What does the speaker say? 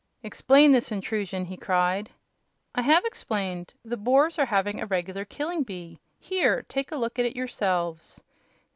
"Explain this intrusion!" he cried. "I have explained. The Boers are having a regular killing bee. Here! take a look at it yourselves."